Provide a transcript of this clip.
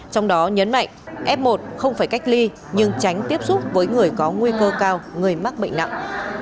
trong đó nhấn mạnh f một không phải cách ly nhưng tránh tiếp xúc với người có nguy cơ cao người mắc bệnh nặng